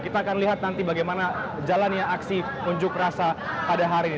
kita akan lihat nanti bagaimana jalannya aksi unjuk rasa pada hari ini